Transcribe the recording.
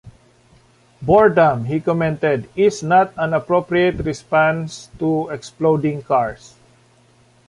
"Boredom," he commented, "is not an appropriate response to exploding cars.